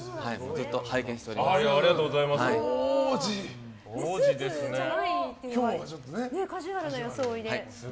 ずっと拝見しております。